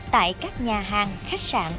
tại các nhà hàng khách sạn